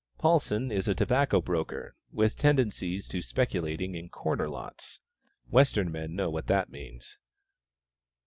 Paulsen is a tobacco broker, with tendencies to speculating in "corner lots." (Western men know what that means.)